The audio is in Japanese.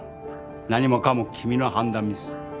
何もかも君の判断ミス。